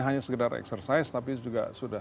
hanya sekedar eksersis tapi juga sudah